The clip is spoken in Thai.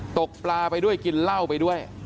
ตกปลาไปด้วยกินเหล้าไปด้วย